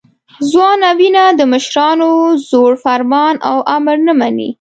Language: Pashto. ځوانه وینه د مشرانو زوړ فرمان او امر نه مني.